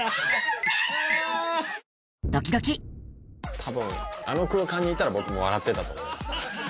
たぶん、あの空間にいたら、僕も笑ってたと思います。